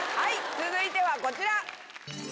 続いてはこちら。